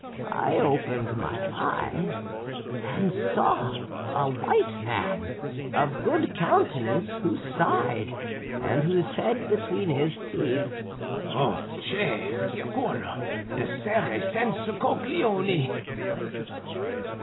I opened my eyes, and saw a white man, of good countenance, who sighed, and who said between his teeth: '_O che sciagura d'essere senza coglioni!